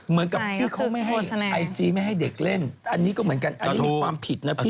เหมือนกับที่เขาไม่ให้ไอจีไม่ให้เด็กเล่นอันนี้ก็เหมือนกันอันนี้มีความผิดนะพี่